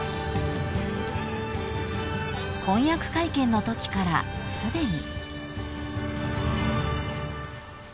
［婚約会見のときからすでに］